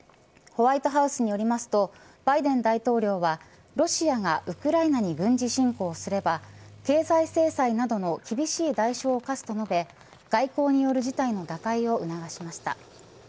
ホワイトハウスによりますとバイデン大統領はロシアがウクライナに軍事侵攻すれば経済制裁などの厳しい代償を科すと述べ外交による事態の打開を促しました。